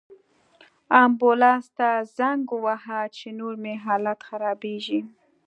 امبولانس ته زنګ ووهه، چې نور مې هم حالت خرابیږي